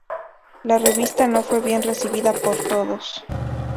La revista no fue bien recibida por todos.